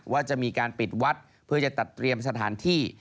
ว่าจะมีการปิดวัดเพื่อจะจัดเตรียมสถานที่